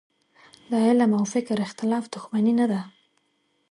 د علم او فکر اختلاف دوښمني نه ده.